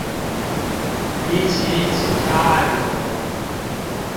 比起指壓按摩